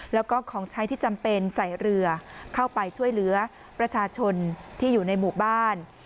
แล้วก็ของใช้ที่จำเป็นใส่เรือเข้าไปช่วยเหลือประชาชนที่อยู่ในหมู่บ้าน